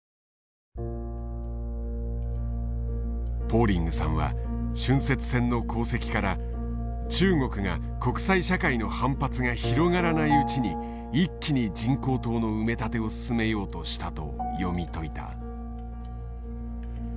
ポーリングさんは浚渫船の航跡から中国が国際社会の反発が広がらないうちに一気に人工島の埋め立てを進めようとしたと読み解いた。